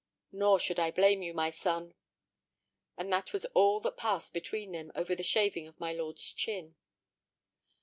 "Nor should I blame you, my son." And that was all that passed between them over the shaving of my lord's chin.